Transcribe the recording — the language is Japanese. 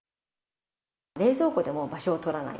冷蔵庫でも場所を取らない。